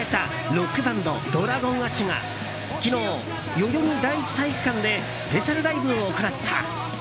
ロックバンドＤｒａｇｏｎＡｓｈが昨日、代々木第一体育館でスペシャルライブを行った。